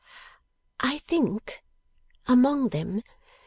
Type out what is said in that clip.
'I think...among them...